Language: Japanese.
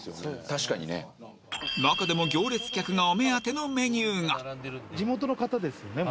確かにね中でも行列客がお目当てのメニューがですよね？